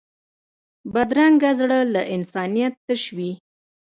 بدرنګه زړه له انسانیت تش وي